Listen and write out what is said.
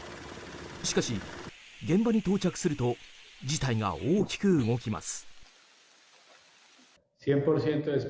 しかし、現場に到着すると事態が大きく動きます。